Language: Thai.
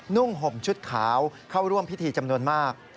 ่งห่มชุดขาวเข้าร่วมพิธีจำนวนมาก